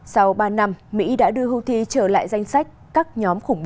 sau ba năm mỹ đã đưa houthi trở lại danh sách các nhóm khủng bố